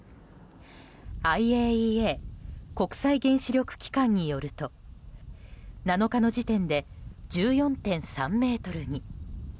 ＩＡＥＡ・国際原子力機関によると７日の時点で１４．３ｍに。